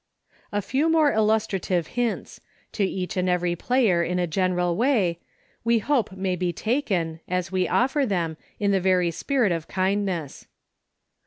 A few more illustrative hints — to each and every player, in a general way — we hope may be taken, as we offer them, in the very spirit of kindness.